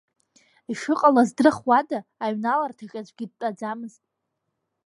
Ишыҟала здырхуада, аҩналарҭаҿ аӡәгьы дтәаӡамызт.